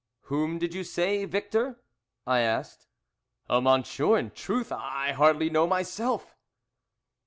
"Whom did you say, Victor?" I asked. "Oh, monsieur, in truth I hardly know myself."